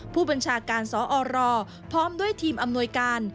ผู้บัญชาการสอรพร้อมด้วยทีมอำนวยการ